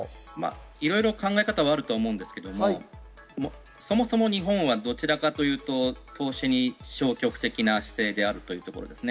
いろいろ考え方はあるんですけれども、そもそも日本はどちらかというと、投資に消極的な姿勢であるというところ。